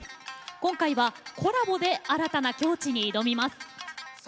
今回は、コラボで新たな境地に挑みます。